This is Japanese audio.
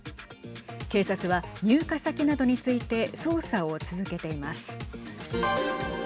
警察は入荷先などについて捜査を続けています。